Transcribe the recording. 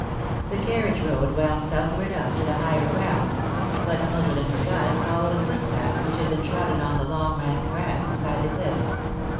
The carriage road wound southward up to the higher ground, but Mildred and her guide followed a footpath which had been trodden on the long rank grass beside the cliff.